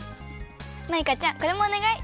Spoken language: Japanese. マイカちゃんこれもおねがい。